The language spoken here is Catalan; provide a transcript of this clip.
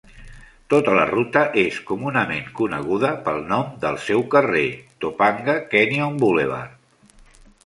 Tota la ruta és comunament coneguda pel nom del seu carrer, Topanga Canyon Boulevard.